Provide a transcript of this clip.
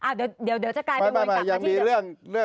อ่ะเดี๋ยวจะกลายไปวนค่ะเปล่ายังมีเรื่อง